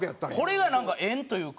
これが縁というか。